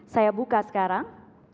saya buka sekarang